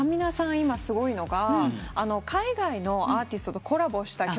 今すごいのが海外のアーティストとコラボした曲があって。